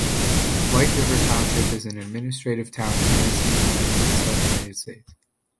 White River Township is an administrative town in Madison County, Arkansas, United States.